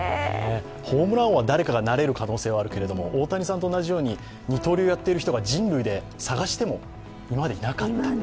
ホームラン王は誰かがなれる可能性があるけど大谷さんと同じように二刀流をやっている人が人類で探しても、今までいなかった。